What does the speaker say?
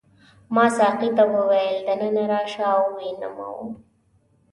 ما ساقي ته وویل دننه راشه او ویې نیوم.